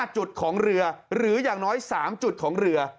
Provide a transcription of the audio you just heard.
จุดของเรือหรืออย่างน้อย๓จุดของเรือ